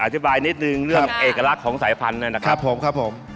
อธิบายนิดนึงเรื่องเอกลักษณ์ของสายพันธุ์นะครับ